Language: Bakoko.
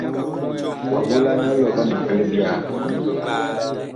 Wa volan ɔlɔ vama vi libyaa.